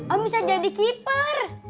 om bisa jadi keeper